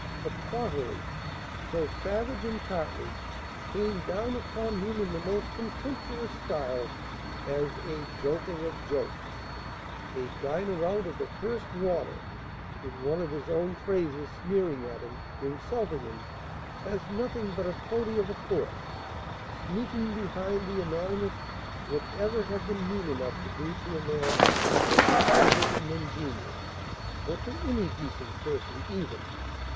The "Quarterly," "so savage and tartly," came down upon him in the most contemptuous style, as "a joker of jokes," a "diner out of the first water" in one of his own phrases; sneering at him, insulting him, as nothing but a toady of a court, sneaking behind the anonymous, would ever have been mean enough to do to a man of his position and genius, or to any decent person even.